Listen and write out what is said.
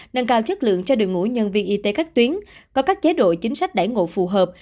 nâng cao chất lượng cho đội ngũ nhân viên y tế các tuyến có các chế độ chính sách đẩy ngộ phù hợp